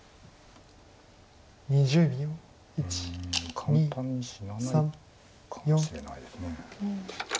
簡単に死なないかもしれないです。